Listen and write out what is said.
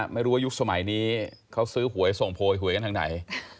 ไม่รู้ว่ายุคสมัยนี้เขาซื้อหวยส่งโพยหวยกันทางไหน